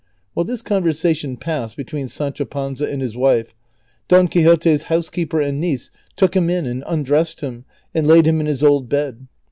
While this conversation passed between Sancho Panza and his wife, Do"!! Quixote's housekeeper and niece took him in and undressed him and laid him in his old bed.